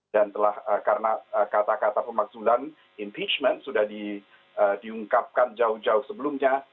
dan karena kata kata pemaksulan impeachment sudah diungkapkan jauh jauh sebelumnya